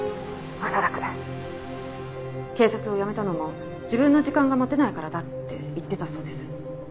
「恐らく」警察を辞めたのも自分の時間が持てないからだって言ってたそうです。